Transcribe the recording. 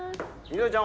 翠ちゃん